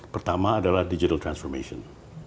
pertama adalah digital transformation